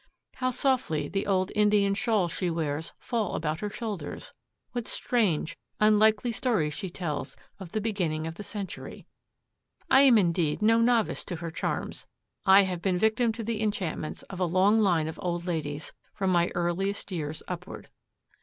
How softly the old Indian shawls she wears fall about her shoulders! What strange, unlikely stories she tells of the beginning of the century! I am indeed no novice to her charms. I have been victim to the enchantments of a long line of old ladies from my earliest years upward.